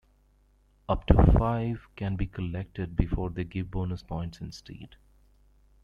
Up to five can be collected before they give bonus points instead.